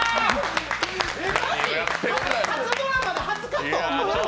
初ドラマで初カット？